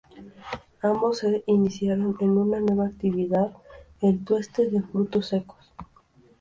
Ambos se iniciaron en una nueva actividad, el tueste de frutos secos.